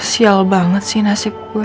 sial banget sih nasib gue